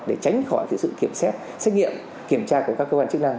để tránh khỏi sự kiểm xét xét nghiệm kiểm tra của các cơ quan chức năng